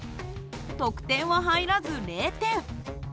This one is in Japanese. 得点は入らず０点。